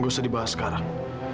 ma gue serius dibahas sekarang